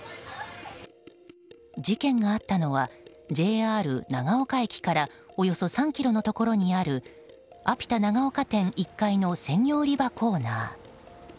事件があったのはＪＲ長岡駅からおよそ３ｋｍのところにあるアピタ長岡店１階の鮮魚売り場コーナー。